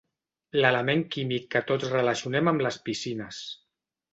L'element químic que tots relacionem amb les piscines.